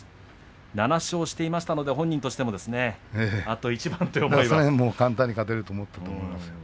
７勝していましたので本人としてもあと一番というその辺も簡単に勝てないと思います。